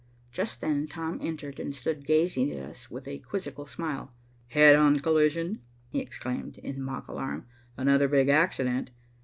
Just then Tom entered and stood gazing at us with a quizzical smile. "Head on collision," he exclaimed, in mock alarm. "Another big accident."